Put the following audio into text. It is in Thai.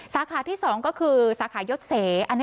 สาขาที่สองก็คือสาขายศร